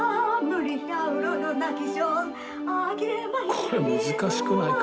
これ難しくないか？